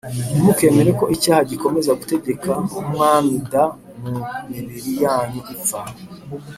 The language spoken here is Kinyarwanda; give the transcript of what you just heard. ntimukemere ko icyaha gikomeza gutegeka nk umwami d mu mibiri yanyu ipfa